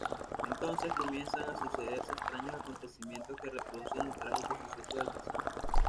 Entonces comienzan a sucederse extraños acontecimientos que reproducen los trágicos sucesos del pasado.